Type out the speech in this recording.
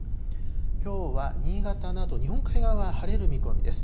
きょうは新潟など、日本海側は晴れる見込みです。